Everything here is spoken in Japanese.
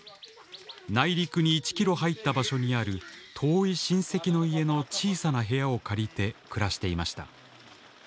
内陸に１ｋｍ入った場所にある遠い親戚の家の小さな部屋を借りて暮らしていました。